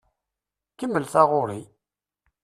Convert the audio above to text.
Kemmel taɣuṛi!